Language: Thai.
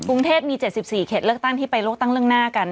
กรุงเทพมี๗๔เขตเลือกตั้งที่ไปเลือกตั้งล่วงหน้ากัน